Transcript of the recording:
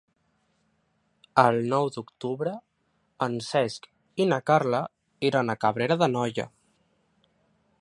El nou d'octubre en Cesc i na Carla iran a Cabrera d'Anoia.